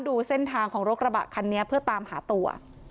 ดูเส้นทางของรถกระบะคันนี้เพื่อตามหาตัว